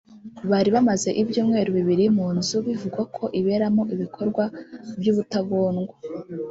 bari bamaze ibyumweru bibiri mu nzu bivugwa ko iberamo ibikorwa by’ubutagondwa